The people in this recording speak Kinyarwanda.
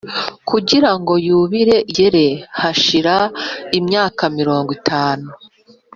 kugira ngo Yubile igere hashira imyaka mirongo itanu